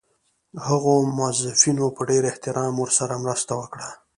هغو موظفینو په ډېر احترام ورسره مرسته وکړه.